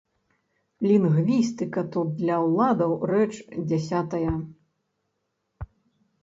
Лінгвістыка тут для ўладаў рэч дзясятая.